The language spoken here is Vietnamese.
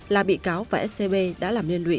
là bị cáo và scb đã làm liên lụy